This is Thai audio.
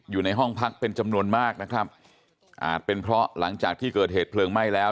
มันมีห้องที่เป็นส่วนใหญ่จะเป็นคีย์การ์ดใช่ไหมครับ